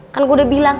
kan gue udah bilang